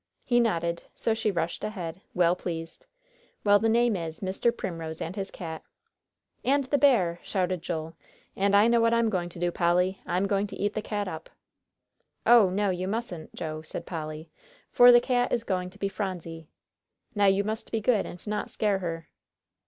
He nodded, so she rushed ahead, well pleased. "Well, the name is Mr. Primrose and his Cat." "And the bear," shouted Joel. "And I know what I'm going to do, Polly, I'm going to eat the cat up." "Oh, no, you mustn't, Joe," said Polly, "for the cat is going to be Phronsie. Now you must be good and not scare her."